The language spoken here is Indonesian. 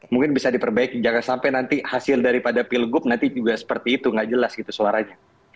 mungkin bisa diperbaiki jangan sampai nanti hasil daripada pilgub nanti juga seperti itu nggak jelas gitu suaranya